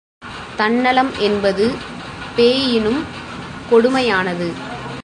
தன்னலம் என்பது பேயினும் கொடுமையானது.